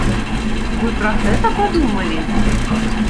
Вы пра гэта падумалі?